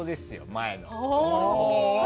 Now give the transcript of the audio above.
前の。